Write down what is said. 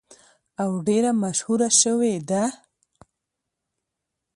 او ډیره مشهوره شوې ده.